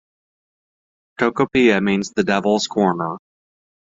Tocopilla means "the devil's corner".